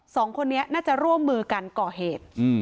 สองคนนี้น่าจะร่วมมือกันก่อเหตุ